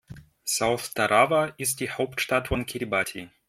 South Tarawa ist die Hauptstadt von Kiribati.